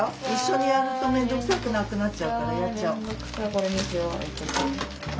これにしよう。